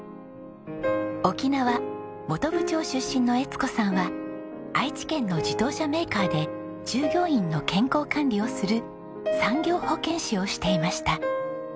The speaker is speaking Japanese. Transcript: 沖縄本部町出身の江津子さんは愛知県の自動車メーカーで従業員の健康管理をする産業保健師をしていました。